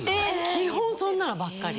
基本そんなのばっかり。